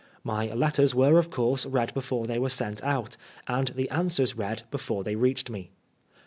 My letters were of course read before they were sent out, and the answers read before they reached me.